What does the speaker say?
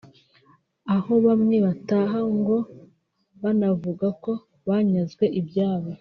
aho bamwe bataha ngo banavuga ko banyazwe ibyabo